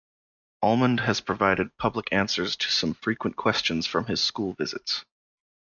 Almond has provided public answers to some frequent questions from his school visits.